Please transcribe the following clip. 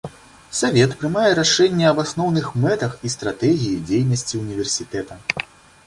Савет прымае рашэнне аб асноўных мэтах і стратэгіі дзейнасці універсітэта.